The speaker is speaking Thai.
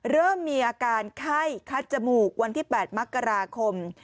เริ่มมีอาการไข้คัดจมูกวันที่๘มกราคม